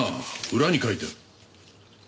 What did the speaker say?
裏に書いてある。